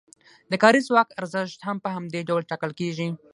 د کاري ځواک ارزښت هم په همدې ډول ټاکل کیږي.